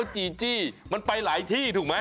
จีจี้มันไปหลายที่ถูกไหม